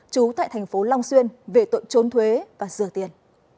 trú tại thành phố long xuyên về tội trốn thuế và dừa tiền